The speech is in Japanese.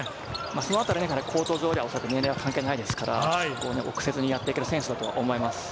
そのあたりコート上では、年齢は関係ないですから、臆せずにやっていける選手だと思います。